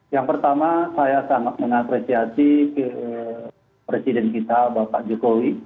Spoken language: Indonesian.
yang pertama saya sangat mengapresiasi presiden kita bapak jokowi